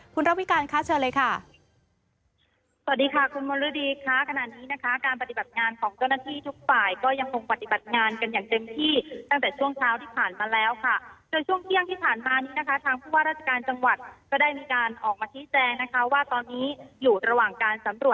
คุณระวีการค่ะเชิญเลยค่ะ